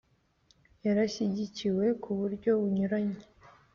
Yarashyigikiwe ku buryo bunyuranye